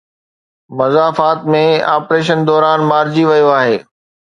مضافات ۾ operation دوران مارجي ويو آهي.